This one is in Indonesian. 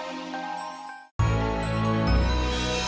itu alasannya papa gak membiarkan kamu ketemu sama nino